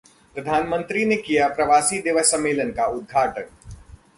प्रधानमंत्री ने किया प्रवासी दिवस सम्मेलन का उद्धाटन